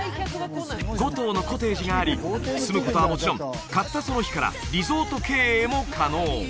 ５棟のコテージがあり住むことはもちろん買ったその日からリゾート経営も可能